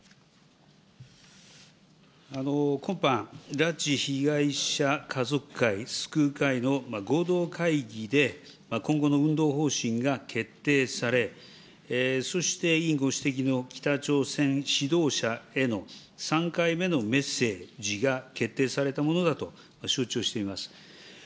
今般、拉致被害者家族会・救う会の合同会議で、今後の運動方針が決定され、そして委員ご指摘の北朝鮮指導者への３回目のメッセージが決定されたものだと承知をしています。